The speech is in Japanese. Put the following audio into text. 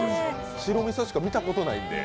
白みそしか見たことないんで。